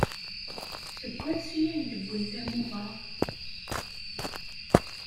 Seg wansi ay d-wwint umuɣ-a?